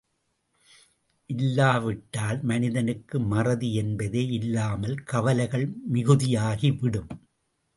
இல்லாவிட்டால் மனிதனுக்கு மறதி என்பதே இல்லாமல் கவலைகள் மிகுதியாகிவிடும்.